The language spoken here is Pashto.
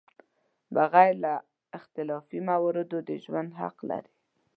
بغیر له اختلافي مواردو د ژوند حق لري.